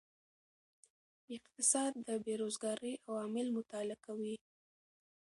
اقتصاد د بیروزګارۍ عوامل مطالعه کوي.